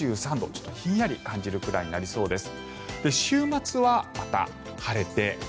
ちょっとひんやり感じるくらいになりそうです。